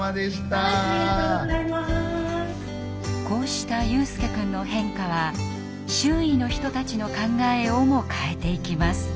こうした悠翼くんの変化は周囲の人たちの考えをも変えていきます。